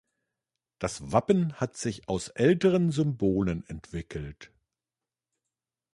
Das Wappen hat sich aus älteren Symbolen entwickelt.